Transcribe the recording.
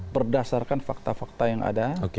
berdasarkan fakta fakta yang ada